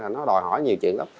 nó đòi hỏi nhiều chuyện